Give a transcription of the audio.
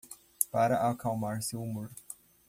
Para acalmar seu humor